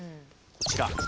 こちら。